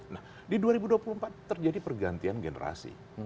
nah di dua ribu dua puluh empat terjadi pergantian generasi